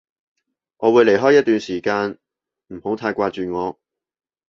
我會離開一段時間，唔好太掛住我